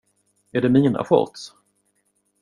Är det mina shorts?